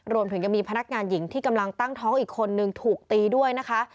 รวมถึงยังมีพนักงานหญิงที่กำลังตั้งท้องอีกคนนึงถูกตีด้วยนะคะ